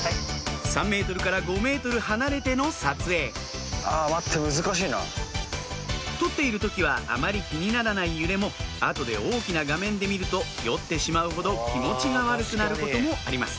３ｍから５ｍ離れての撮影撮っている時はあまり気にならない揺れも後で大きな画面で見ると酔ってしまうほど気持ちが悪くなることもあります